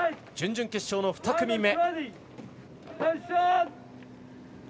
準々決勝の２組目。